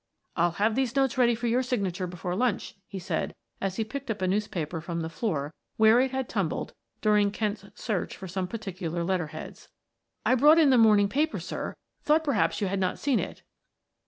"I'll have these notes ready for your signature before lunch," he said as he picked up a newspaper from the floor where it had tumbled during Kent's search for some particular letter heads. "I brought in the morning paper, sir; thought perhaps you had not seen it."